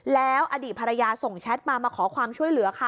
แล้วอดีตภรรยาส่งแชทมามาขอความช่วยเหลือค่ะ